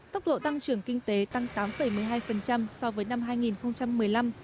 tốc độ tăng trưởng kinh tế tăng tám một mươi hai so với năm hai nghìn một mươi năm